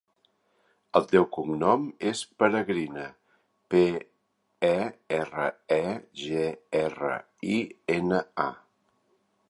El seu cognom és Peregrina: pe, e, erra, e, ge, erra, i, ena, a.